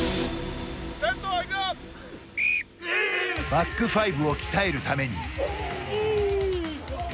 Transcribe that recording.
バックファイブを鍛えるために。